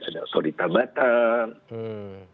ada otorita batam